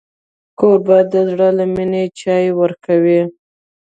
کوربه د زړه له مینې چای ورکوي.